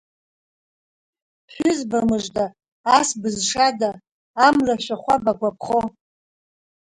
Ԥҳәызба мыжда, ас бызшада, Амра шәахәа багәаԥхо?